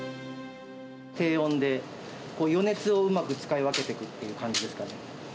低温で、余熱をうまく使い分けていくっていう感じですかね。